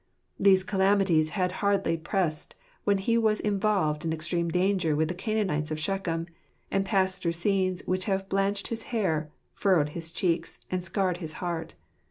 These calamities had hardly passed when he was involved in extreme danger with the Canaanites of Shechem, and passed through scenes which have blanched his hair, furrowed his cheeks, and scarred his heart.